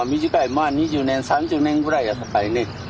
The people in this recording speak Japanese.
まあ２０年３０年ぐらいやさかいね。